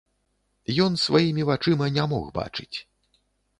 Ён сваімі вачыма не мог бачыць.